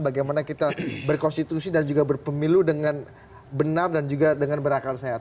bagaimana kita berkonstitusi dan juga berpemilu dengan benar dan juga dengan berakal sehat